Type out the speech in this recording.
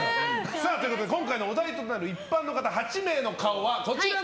さあということで今回のお題となる一般の方８名の顔はこちらになります。